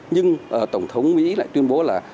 nhưng tổng thống mỹ lại tuyên bố là